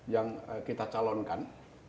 yang kita calonkan